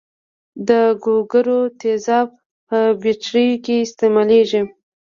د ګوګړو تیزاب په بټریو کې استعمالیږي.